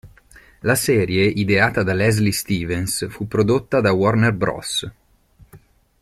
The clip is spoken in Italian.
La serie, ideata da Leslie Stevens, fu prodotta da Warner Bros.